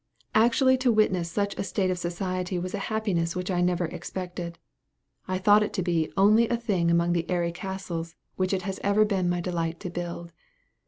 Actually to witness such a state of society was a happiness which I never expected. I thought it to be only a thing among the airy castles which it has ever been my delight to build.